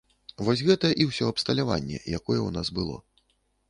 Вось гэта і ўсё абсталяванне, якое ў нас было.